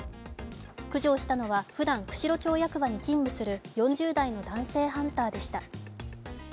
駆除をしたのはふだん、釧路町役場に勤務する４０代の男性ハンターでした。